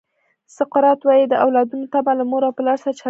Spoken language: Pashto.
سقراط وایي د اولادونو تمه له مور او پلار سره چلند دی.